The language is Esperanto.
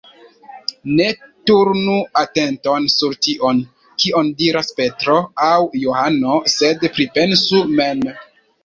Ne turnu atenton sur tion, kion diras Petro aŭ Johano, sed pripensu mem.